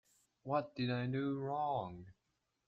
What did I do wrong?